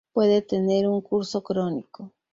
Puede tener un curso crónico.